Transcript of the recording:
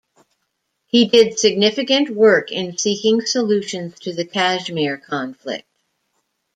He did significant work in seeking solutions to the Kashmir conflict.